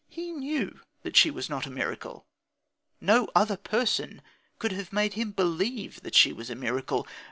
He knew that she was not a miracle. No other person could have made him believe that she was a miracle.